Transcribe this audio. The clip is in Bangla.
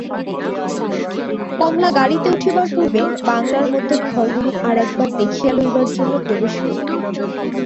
কমলা গাড়িতে উঠিবার পূর্বে বাংলার মধ্যে ঘরগুলি আর-একবার দেখিয়া লইবার জন্য প্রবেশ করিল।